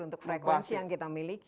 untuk frekuensi yang kita miliki